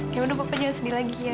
gimana bapaknya jangan sedih lagi ya